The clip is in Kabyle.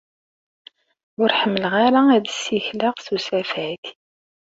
Ur ḥemmleɣ ara ad ssikleɣ s usafag.